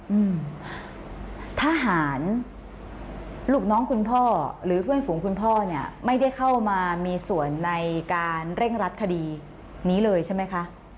อืมทหารลูกน้องคุณพ่อหรือเพื่อนฝูงคุณพ่อเนี่ยไม่ได้เข้ามามีส่วนในการเร่งรัดคดีนี้เลยใช่ไหมคะ